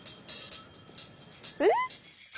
えっ！？